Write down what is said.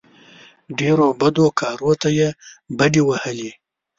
ډېرو بدو کارو ته یې بډې وهلې.